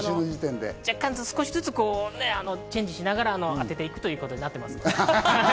若干チェンジしながら当てていくということになってます。